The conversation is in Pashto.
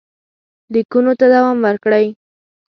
لیکونو ته دوام ورکړئ.